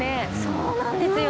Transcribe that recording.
そうなんですよ。